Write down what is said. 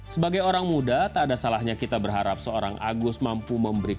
sebagai orang muda tak ada salahnya kita berharap seorang agus mampu memberikan